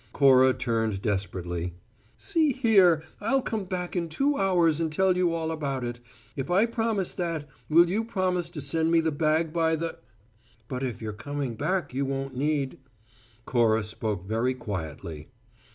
Cora turned desperately. "See here. I'll come back in two hours and tell you all about it. If I promise that, will you promise to send me the bag by the " "But if you're coming back you won't need " Cora spoke very quietly.